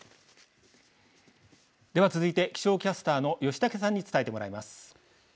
では続いて気象キャスターの吉竹さんに伝えてもらいます。